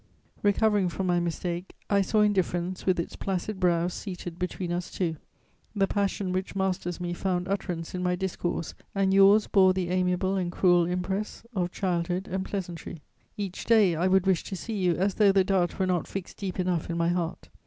Recovering from my mistake, I saw indifference with its placid brow seated between us two.... The passion which masters me found utterance in my discourse, and yours bore the amiable and cruel impress of childhood and pleasantry. "Each day I would wish to see you, as though the dart were not fixed deep enough in my heart.